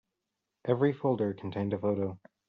Every folder contained a photo.